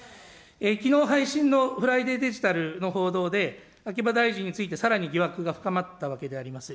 きのう配信のフライデーデジタルの報道で、秋葉大臣についてさらに疑惑が深まったわけであります。